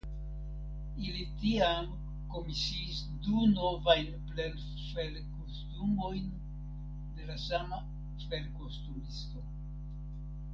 Ili tiam komisiis du novajn plenfelkostumojn de la sama felkostumisto.